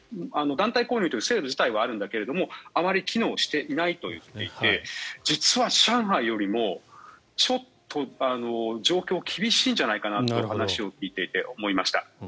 団体購入という制度自体はあるんだけれどもあまり機能していないと言っていて実は上海よりも、ちょっと状況が厳しいんじゃないかという話を聞いていて思いました。